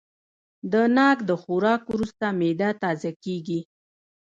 د ناک د خوراک وروسته معده تازه کېږي.